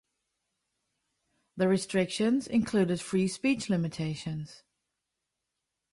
The restrictions included free speech limitations.